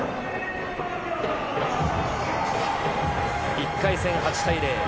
１回戦８対０。